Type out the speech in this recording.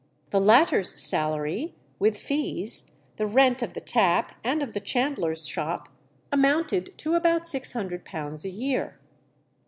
The latter's salary, with fees, the rent of the tap and of the chandler's shop, amounted to about £600 a year.